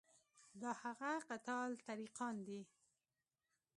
دا هغه قطاع الطریقان دي.